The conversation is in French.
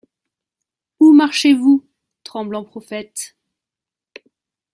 Où marchez-vous, tremblants prophètes?